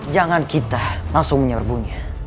jangan kita langsung menyeberbunya